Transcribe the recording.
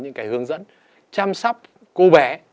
những cái hướng dẫn chăm sóc cô bé